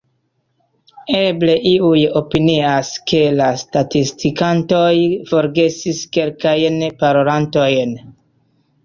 Eble iuj opinias, ke la statistikantoj forgesis kelkajn parolantojn.